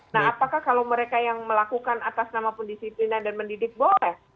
nah apakah kalau mereka yang melakukan atas nama pendisiplinan dan mendidik boleh